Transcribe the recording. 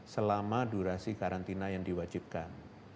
selama durasi karantina yang diwajibkan